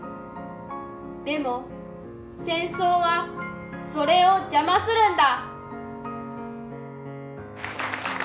でも戦争は、それを邪魔するんだ。